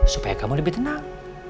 supaya kamu lebih tenang